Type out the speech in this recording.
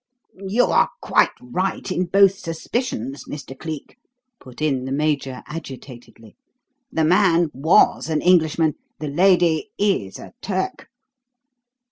"You are quite right in both suspicions, Mr. Cleek," put in the Major agitatedly. "The man was an Englishman; the lady is a Turk."